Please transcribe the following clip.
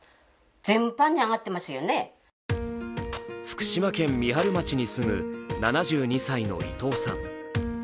福島県三春町に住む７２歳の伊藤さん。